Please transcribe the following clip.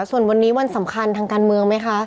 ส่วนวันนี้วันสำคัญทางการเมืองไหมคะ